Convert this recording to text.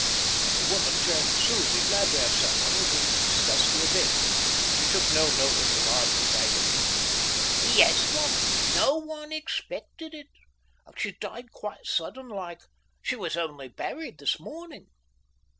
The woman turned to Susie, glad to have someone with whom to discuss the event. She took no notice of Arthur's agony. "Yes, mum; no one expected it. She died quite sudden like. She was only buried this morning."